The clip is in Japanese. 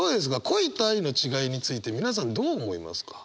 「恋」と「愛」の違いについて皆さんどう思いますか？